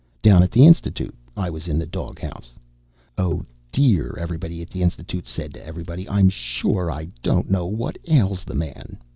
Down at the Institute, I was in the doghouse. "Oh, dear," everybody at the Institute said to everybody, "I'm sure I don't know what ails the man.